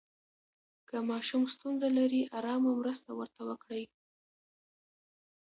که ماشوم ستونزه لري، آرامه مرسته ورته وکړئ.